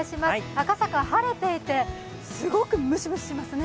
赤坂、晴れていてすごくムシムシしますね。